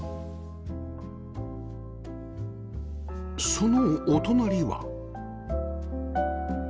そのお隣は